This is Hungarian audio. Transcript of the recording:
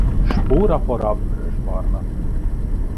Spórapora vörösbarna.